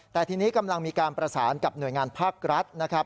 แต่ทีนี้กำลังมีการประสานกับหน่วยงานภาครัฐนะครับ